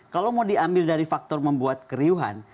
kalau mau diambil dari faktor membuat keriuhan